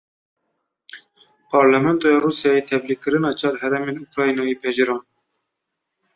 Parlamentoya Rûsyayê tevlîkirina çar herêmên Ukraynayê pejirand.